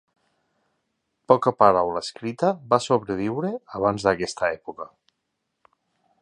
Poca paraula escrita va sobreviure abans d'aquesta època.